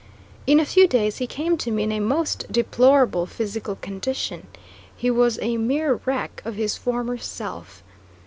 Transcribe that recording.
In a few days he came to me in a most deplorable physical condition. He was a mere wreck of his former self.